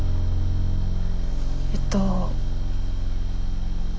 えっと。